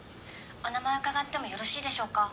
お名前を伺ってもよろしいでしょうか」